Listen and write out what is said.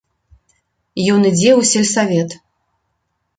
Ён ідзе ў сельсавет.